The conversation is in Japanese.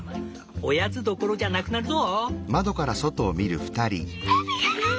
おやつどころじゃなくなるぞ！」